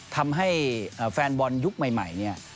ทำให้แฟนบอลยุคใหม่เนี่ย